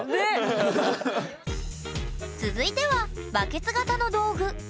続いてはバケツ型の道具。